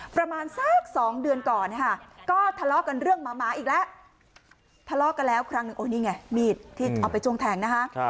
ประมาณสัก๒เดือนก่อนนะคะก็ทะเลาะกันเรื่องหมาอีกแล้วทะเลาะกันแล้วครั้งหนึ่งโอ้นี่ไงมีดที่เอาไปจวงแทงนะคะ